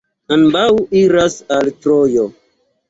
Ambaŭ iras al Trojo.